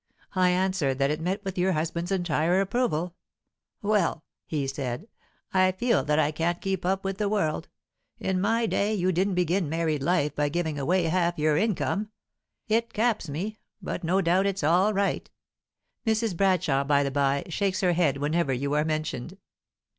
I answered that it met with your husband's entire approval. 'Well,' he said, 'I feel that I can't keep up with the world; in my day, you didn't begin married life by giving away half your income. It caps me, but no doubt it's all right.' Mrs. Bradshaw by the bye, shakes her head whenever you are mentioned.